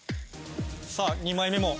さあ２枚目も。